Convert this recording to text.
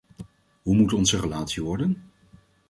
Hoe moet onze relatie worden?